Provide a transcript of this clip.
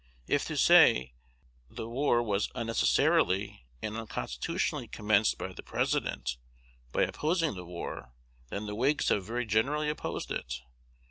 If to say "the war was unnecessarily and unconstitutionally commenced by the President," by opposing the war, then the Whigs have very generally opposed it.